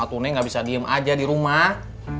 atau nenek gak bisa diem aja di rumah